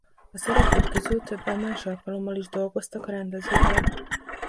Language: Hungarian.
A szereplők közül többen más alkalommal is dolgoztak a rendezővel.